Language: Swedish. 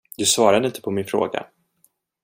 Du svarade inte på min fråga.